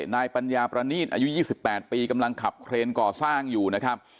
นายปัญญาประณีตอายุ๒๘ปีกำลังขับเครนก่อสร้างอยู่นะครับ